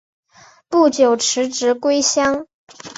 不久辞职归乡。